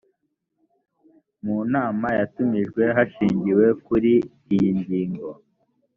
mu nama yatumijwe hashingiwe kuri iyingingo